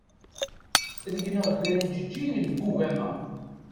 Ad gneɣ gar yijeǧǧigen deg ugama.